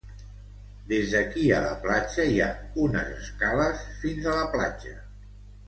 Des d'aquí a la platja hi ha unes escales fins a la platja.